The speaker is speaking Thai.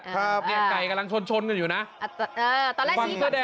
ครับอ่าเนี้ยไก่กำลังชนชนกันอยู่น่ะเออตอนแรกชีค่ะ